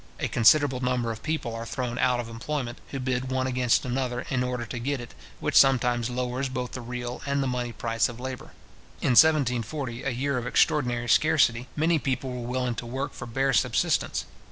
A considerable number of people are thrown out of employment, who bid one against another, in order to get it, which sometimes lowers both the real and the money price of labour. In 1740, a year of extraordinary scarcity, many people were willing to work for bare subsistence.